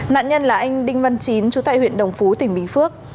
nạn nhân là anh đinh văn chín trú tại huyện đồng phú tỉnh bình phước